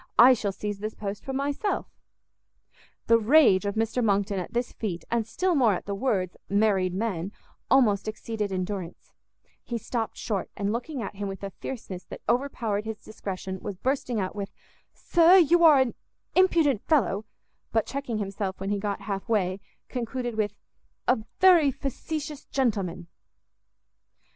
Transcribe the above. I shall seize this post for myself." The rage of Mr Monckton at this feat, and still more at the words married men, almost exceeded endurance; he stopt short, and looking at him with a fierceness that overpowered his discretion, was bursting out with, "Sir, you are an impudent fellow," but checking himself when he got half way, concluded with, "a very facetious gentleman!"